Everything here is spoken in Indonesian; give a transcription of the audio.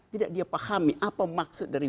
tidak dia pahami apa maksud dari